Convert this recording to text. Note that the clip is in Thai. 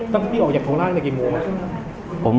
วันนี้ปุ่ม